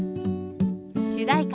主題歌